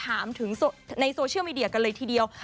ถามถึงในโซเชียลมีเดียกันเลยทีเดียว